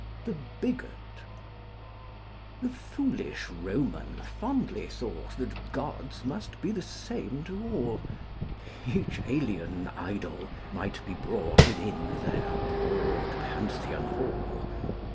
THE BIGOT The foolish Roman fondly thought That gods must be the same to all, Each alien idol might be brought Within their broad Pantheon Hall.